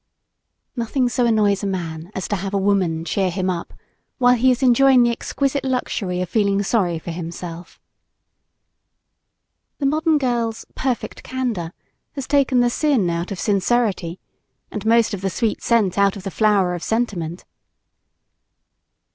Nothing so annoys a man as to have a woman "cheer him up," when he is enjoying the exquisite luxury of feeling sorry for himself. The modern girl's "perfect candor" has taken the sin out of sincerity and most of the sweet scent out of the flower of sentiment.